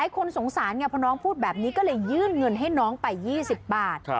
คนสงสารไงพอน้องพูดแบบนี้ก็เลยยื่นเงินให้น้องไป๒๐บาท